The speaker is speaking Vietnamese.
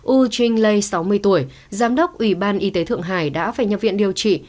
u trinh lê sáu mươi tuổi giám đốc ủy ban y tế thượng hải đã phải nhập viện điều trị